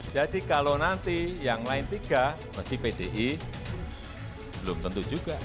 jadi kalau nanti yang lain tiga masih pdi belum tentu juga